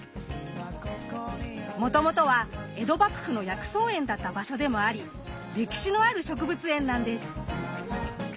もともとは江戸幕府の薬草園だった場所でもあり歴史のある植物園なんです。